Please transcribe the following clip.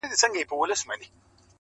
رانه هېريږي نه خيالونه هېرولاى نه ســم.